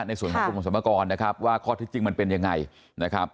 ในส่วนของคุมสมกรว่าข้อที่จริงมันเป็นยังไง